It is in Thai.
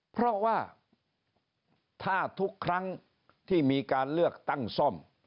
เพราะว่าถ้าทุกครั้งที่มีการเลือกตั้งซ่อม